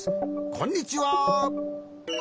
こんにちは。